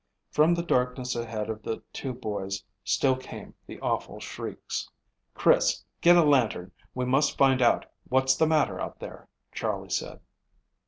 From the darkness ahead of the two boys still came the awful shrieks. "Chris, get a lantern, we must find out what's the matter out there," Charley said.